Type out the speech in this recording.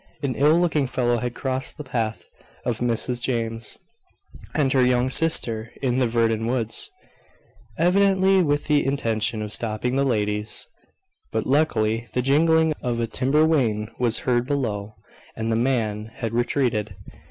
An ill looking fellow had crossed the path of Mrs James and her young sister in the Verdon woods, evidently with the intention of stopping the ladies; but luckily the jingling of a timber wain was heard below, and the man had retreated.